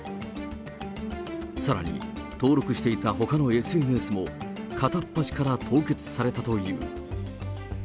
さらに登録していたほかのＳＮＳも、片っ端から凍結されたという。